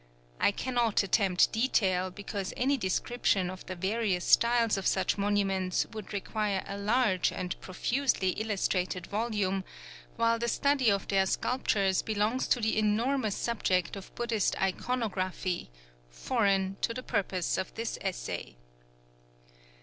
I cannot attempt detail, because any description of the various styles of such monuments would require a large and profusely illustrated volume; while the study of their sculptures belongs to the enormous subject of Buddhist iconography, foreign to the purpose of this essay.